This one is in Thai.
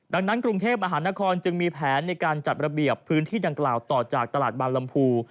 ดังนั้นกรุงเทพมหานครจึงมีแผนในการจัดระเบียบพื้นที่ดังกล่าวต่อจากตลาดบางลำพู